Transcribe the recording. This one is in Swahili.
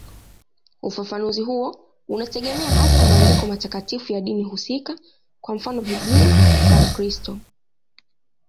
Ufafanuzi huo unategemea hasa maandiko matakatifu ya dini husika, kwa mfano Biblia kwa Wakristo.